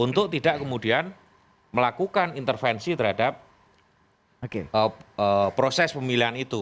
untuk tidak kemudian melakukan intervensi terhadap proses pemilihan itu